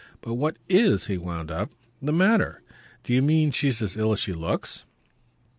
But what IS," he wound up, "the matter? Do you mean she's as ill as she looks?"